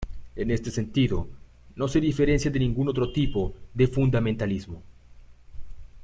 En este sentido no se diferencia de ningún otro tipo de fundamentalismo.